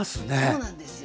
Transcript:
そうなんですよ。